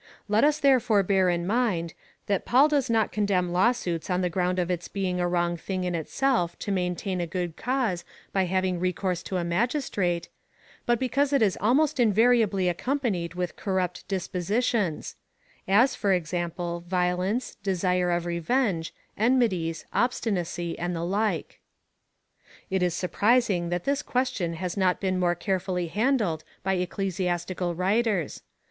Let us therefore bear in mind, that Paul does not condemn law suits on the ground of its being a wrong tiling in itself to maintain a good cause by having recourse to a magistrate, but because it is almost invariably accompanied with corrupt dispositions ; as, for example, violence, desire of revenge, enmities, obstinacy, and the like. It is surprising that this question has not been more care fully handled by ecclesiastical writers.